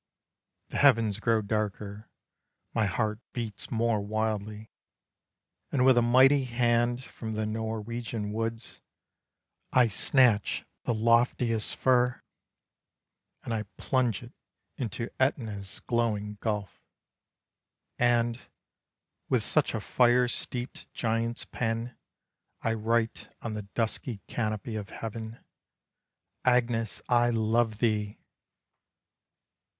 The heavens grow darker, my heart beats more wildly, And with a mighty hand, from the Norwegian woods, I snatch the loftiest fir, And I plunge it Into Etna's glowing gulf; And, with such a fire steeped giant's pen, I write on the dusky canopy of heaven, "Agnes, I love thee!"